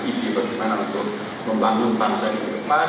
ide bagaimana untuk membangun pangsa di depan